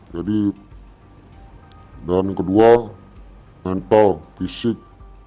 dan kedua mental fisik